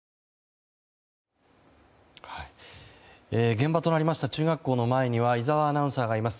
現場となりました中学校の前には井澤アナウンサーがいます。